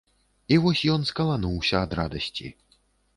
І вось ён скалануўся ад радасці.